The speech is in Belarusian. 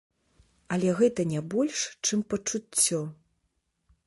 Але гэта не больш, чым пачуццё.